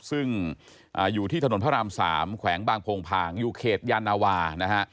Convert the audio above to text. ซึ่งอยู่ที่ถนนพระราม๓แขวงบางโพงพางอยู่เขตยานาวานะฮะ